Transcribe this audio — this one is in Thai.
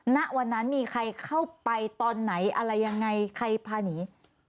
ณวันนั้นมีใครเข้าไปตอนไหนอะไรยังไงใครพาหนี